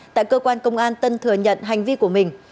tại cơ quan công an tân thừa nhận hành vi của mình